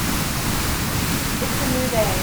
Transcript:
It's a new day.